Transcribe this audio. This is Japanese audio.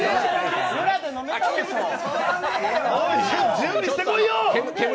準備してこいよ。